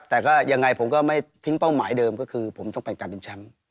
แต่ก็ยังไงผมก็ไม่ทิ้งเป้าหมายเดิมก็คือผมต้องเป็นการเป็นแชมป์